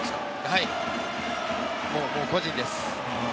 はい、個人です。